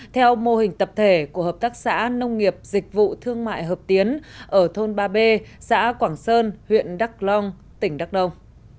theo mô hình tập thể của hợp tác xã nông nghiệp dịch vụ thương mại hợp tiến ở thôn ba b xã quảng sơn huyện đắk long tỉnh đắk nông